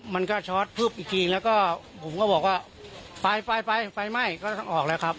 มันก็ช็อตพึบอีกทีแล้วก็ผมก็บอกว่าไปไปไฟไหม้ก็ต้องออกแล้วครับ